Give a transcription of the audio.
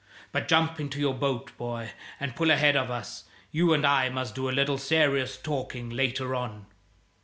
But, jump into your boat, boy, and pull ahead of us. You and I must do a little serious talking later on."